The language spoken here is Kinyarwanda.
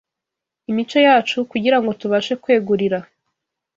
imico yacu, kugira ngo tubashe kwegurira